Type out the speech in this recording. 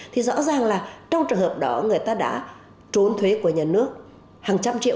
thì rõ ràng là trong trường hợp đó người ta đã trốn thuế của nhà nước hàng trăm triệu